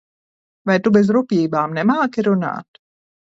Vai Tu bez rupjībām nemāki runāt?